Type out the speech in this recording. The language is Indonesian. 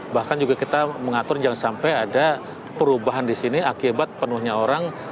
bahkan juga kita mengatur jangan sampai ada perubahan di sini akibat penuhnya orang